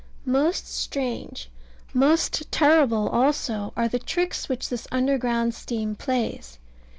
Most strange, most terrible also, are the tricks which this underground steam plays.